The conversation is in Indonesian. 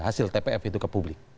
hasil tpf itu ke publik